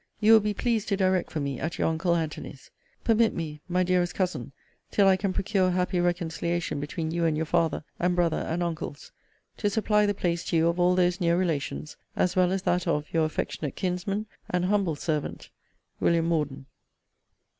You will be pleased to direct for me at your uncle Antony's. Permit me, my dearest Cousin, till I can procure a happy reconciliation between you and your father, and brother, and uncles, to supply the place to you of all those near relations, as well as that of Your affectionate kinsman, and humble servant, WM. MORDEN.